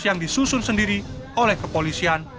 yang disusun sendiri oleh kepolisian